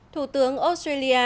thủ tướng australia